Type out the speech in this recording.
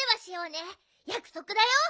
やくそくだよ。